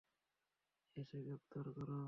এসে গ্রেপ্তার কর।